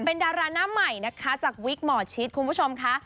เป็นดาราหน้าใหม่นะคะจากวิกหมอชิดคุณผู้ชมค่ะ